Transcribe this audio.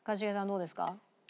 どうですか？